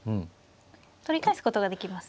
取り返すことができますね。